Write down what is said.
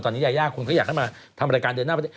ตอนนี้ยายาคุณก็อยากให้มาทำรายการเดินหน้าประเทศ